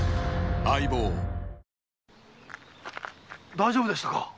大丈夫でしたか？